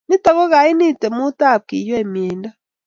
nitok ko kaini temut ab keywei miondo